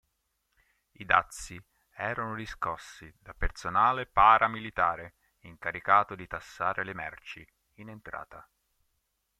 I dazi erano riscossi da personale para-militare, incaricato di tassare le merci in entrata.